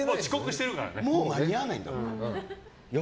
もう間に合わないんだよ。